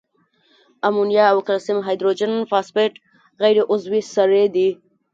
امونیا او کلسیم هایدروجن فاسفیټ غیر عضوي سرې دي.